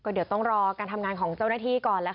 เดี๋ยวต้องรอการทำงานของเจ้าหน้าที่ก่อนแล้ว